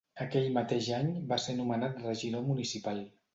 Aquell mateix any va ser nomenat regidor municipal.